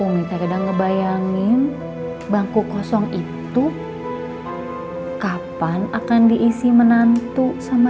umi tak ada ngebayangin bangku kosong itu kapan akan diisi menantu sama